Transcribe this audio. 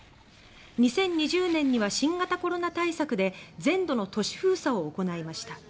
２０２０年には新型コロナ対策で全土の都市封鎖を行いました。